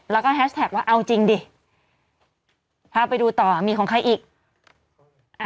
แล้วก็แฮชแท็กว่าเอาจริงดิพาไปดูต่อมีของใครอีก